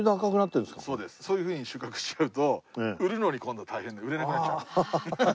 そういうふうに収穫しちゃうと売るのに今度大変で売れなくなっちゃう。